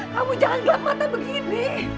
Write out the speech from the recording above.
kamu jangan gelap mata begini